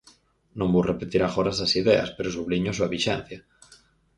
Non vou repetir agora esas ideas, pero subliño a súa vixencia.